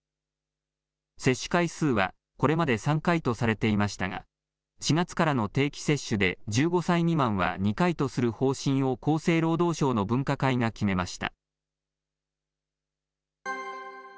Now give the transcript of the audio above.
接種回数はこれまで３回とされていましたが、４月からの定期接種で１５歳未満は２回とする方針を、厚生労働省の分科会が決めました。